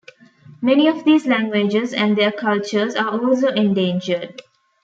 Many of these languages and their cultures are also endangered.